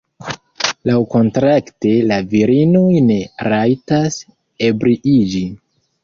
Laŭkontrakte la virinoj ne rajtas ebriiĝi.